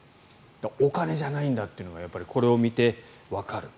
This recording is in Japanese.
お金じゃないんだというのがこれを見てわかる。